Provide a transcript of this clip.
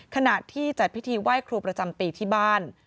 ขณะที่จัดพิธีไหว้ครูประจำปีที่บ้าน